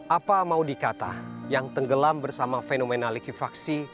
apa mau dikata yang tenggelam bersama fenomena likuifaksi